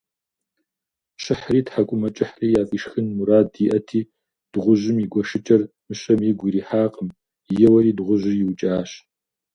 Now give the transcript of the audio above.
Щыхьри, тхьэкӏумэкӏыхьри яфӏишхын мурад иӏэти, дыгъужьым и гуэшыкӏэр мыщэм игу ирихьакъым: еуэри дыгъужьыр иукӏащ.